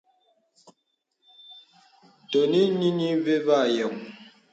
Tɔŋì nìŋì və̄ və a yɔ̄ŋ.